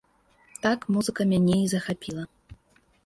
Так музыка мяне і захапіла.